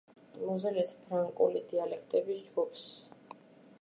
მოზელის ფრანკული დიალექტების ჯგუფს.